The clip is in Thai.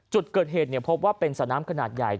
จุดเกิดเหตุพบว่าเป็นสระน้ำขนาดใหญ่